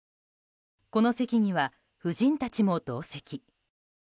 この席には、夫人たちも同席。